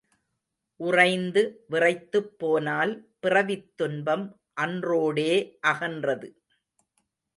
உறைந்து விறைத்துப் போனால், பிறவித் துன்பம் அன்றோடே அகன்றது.